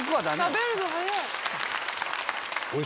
食べるの早い。